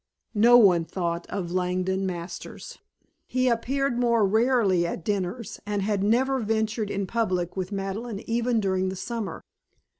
No one thought of Langdon Masters. He appeared more rarely at dinners, and had never ventured in public with Madeleine even during the summer.